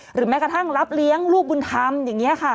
แม้กระทั่งรับเลี้ยงลูกบุญธรรมอย่างนี้ค่ะ